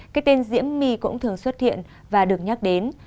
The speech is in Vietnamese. cái tên diễm my cũng thường xuất hiện và được nhắc đến